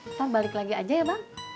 kita balik lagi aja ya bang